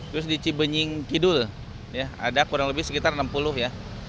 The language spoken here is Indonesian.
terus di cibenying kidul ada kurang lebih sekitar enam puluh ya